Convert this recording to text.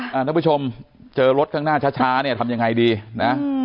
ท่านผู้ชมเจอรถข้างหน้าช้าเนี่ยทำยังไงดีนะ